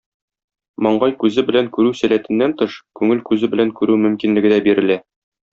Маңгай күзе белән күрү сәләтеннән тыш, күңел күзе белән күрү мөмкинлеге дә бирелә.